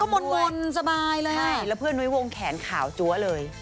มนต์สบายเลยใช่แล้วเพื่อนไว้วงแขนขาวจั๊วเลย